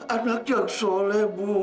anak yang soleh bu